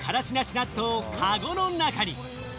納豆をカゴの中に！